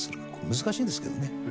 難しいですけどね。